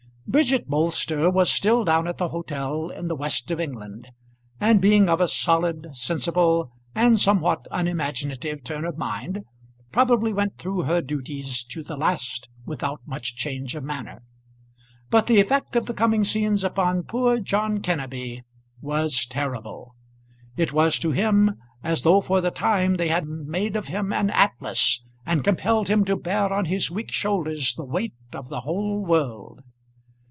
Bridget Bolster was still down at the hotel in the West of England, and being of a solid, sensible, and somewhat unimaginative turn of mind, probably went through her duties to the last without much change of manner. But the effect of the coming scenes upon poor John Kenneby was terrible. It was to him as though for the time they had made of him an Atlas, and compelled him to bear on his weak shoulders the weight of the whole world.